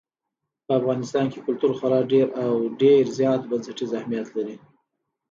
په افغانستان کې کلتور خورا ډېر او ډېر زیات بنسټیز اهمیت لري.